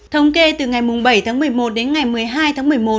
thống kê từ ngày bảy tháng một mươi một đến ngày một mươi hai tháng một mươi một